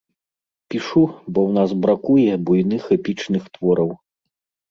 Пішу, бо ў нас бракуе буйных эпічных твораў.